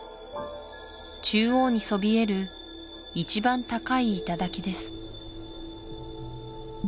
中央にそびえる一番高い頂です